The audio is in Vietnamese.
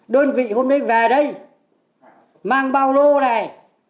đơn vị hôm nay về đây mang bao lô này